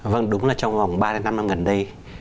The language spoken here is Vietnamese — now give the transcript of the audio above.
vâng đúng là trong vòng ba năm năm gần đây